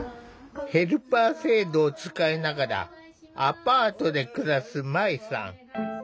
ヘルパー制度を使いながらアパートで暮らすまいさん。